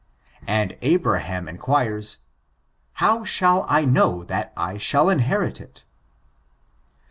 And Abraham inquires, "How shall I know that I shall inhtrii it?